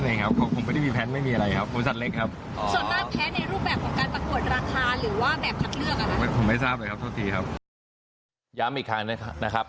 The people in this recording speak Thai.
ย้ำอีกครั้งนะครับ